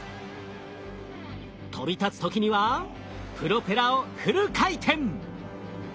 飛び立つ時にはプロペラをフル回転。